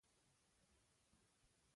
کروندګر د ټولو کروندګرو لپاره مثال دی